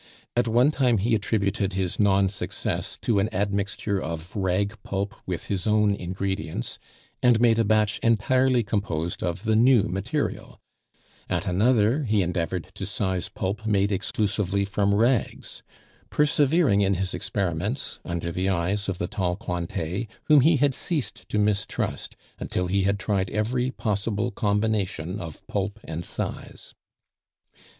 At one time he attributed his non success to an admixture of rag pulp with his own ingredients, and made a batch entirely composed of the new material; at another, he endeavored to size pulp made exclusively from rags; persevering in his experiments under the eyes of the tall Cointet, whom he had ceased to mistrust, until he had tried every possible combination of pulp and size.